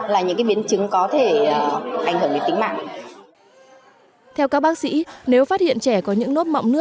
là những biến chứng có thể ảnh hưởng đến tính mạng